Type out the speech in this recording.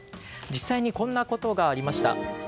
実際にこんなことがありました。